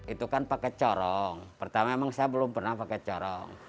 itu kan pakai corong pertama memang saya belum pernah pakai corong